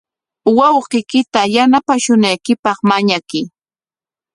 Wawqiykita yanapashunaykipaq mañakuy.